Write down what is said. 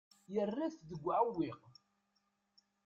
Yerra-t deg uɛewwiq.